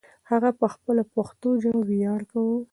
هغه په خپله پښتو ژبه ویاړ کاوه.